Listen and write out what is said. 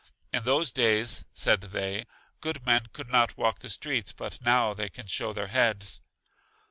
In those days, said they, good men could not walk the streets, but now they can show their heads.